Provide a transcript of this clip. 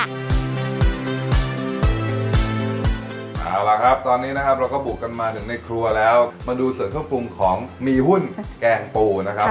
เอาล่ะครับตอนนี้นะครับเราก็บุกกันมาถึงในครัวแล้วมาดูส่วนเครื่องปรุงของมีหุ้นแกงปูนะครับ